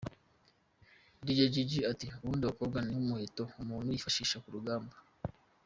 Dr Jiji ati, “Ubundi abakobwa ni nk’umuheto umuntu yifashisha ku rugamba.